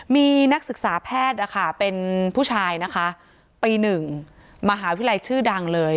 มีนักศึกษาแพทย์นะคะเป็นผู้ชายนะคะปี๑มหาวิทยาลัยชื่อดังเลย